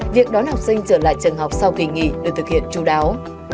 việc đón học sinh trở lại trường học sau kỳ nghỉ được thực hiện chú đáo